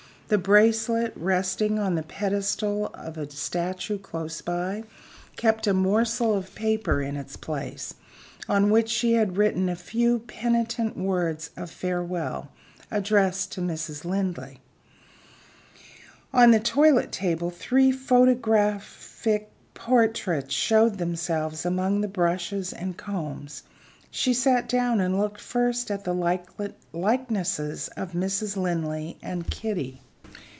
The bracelet, resting on the pedestal of a statue close by, kept a morsel of paper in its place on which she had written a few penitent words of farewell addressed to Mrs. Linley. On the toilet table three photographic portraits showed themselves among the brushes and combs. She sat down, and looked first at the likenesses of Mrs. Linley and Kitty.